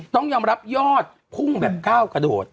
ต้องยอมรับยอดพุ่งแบบก้าวกระโดด